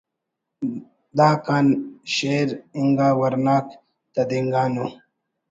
داکان شیر انگا ورناک تدینگانو